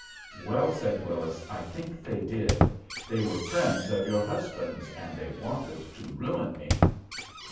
"Well," said Willis, "I think they did. They were friends of your husband's, and they wanted to ruin me."